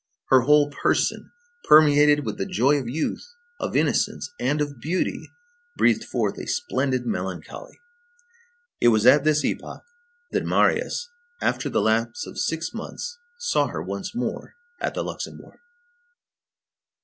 Her whole person, permeated with the joy of youth, of innocence, and of beauty, breathed forth a splendid melancholy. It was at this epoch that Marius, after the lapse of six months, saw her once more at the Luxembourg.